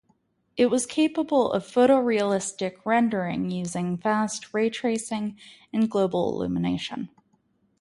It was capable of photorealistic rendering using fast ray tracing and global illumination.